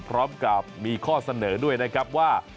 พร้อมกับมีข้อเสนอด้วยนะครับว่า